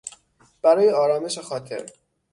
برای آرامش خاطر